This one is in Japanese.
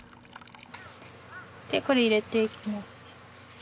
これ入れていきます。